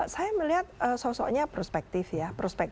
saya melihat sosoknya perspektif ya